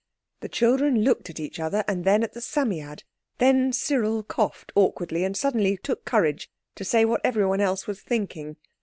The children looked at each other and then at the Psammead. Then Cyril coughed awkwardly and took sudden courage to say what everyone was thinking.